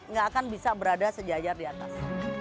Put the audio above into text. nggak akan bisa berada sejajar di atas